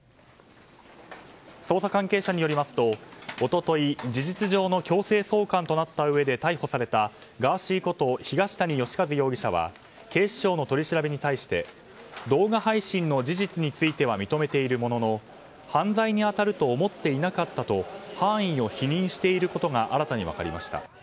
捜査関係者によりますと、一昨日事実上の強制送還となったうえで逮捕されたガーシーこと東谷義和容疑者は警視庁の取り調べに対して動画配信の事実については認めているものの犯罪に当たると思っていなかったと犯意を否認していることが新たに分かりました。